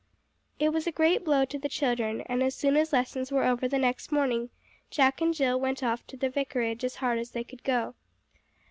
It was a great blow to the children, and as soon as lessons were over the next morning Jack and Jill ran off to the Vicarage as hard as they could go.